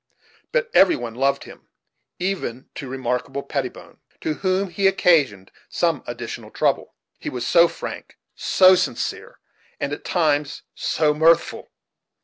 But every one loved him, even to Remarkable Pettibone, to whom he occasioned some additional trouble, he was so frank, so sincere, and, at times, so mirthful.